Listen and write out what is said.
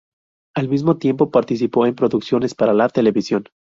Al mismo tiempo, participó en producciones para la televisión.